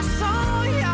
sesat lagi ya